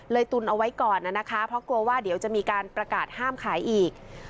ตุนเอาไว้ก่อนนะคะเพราะกลัวว่าเดี๋ยวจะมีการประกาศห้ามขายอีก